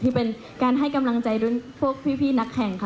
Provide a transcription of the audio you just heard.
เป็นการให้กำลังใจรุ่นพวกพี่นักแข่งค่ะ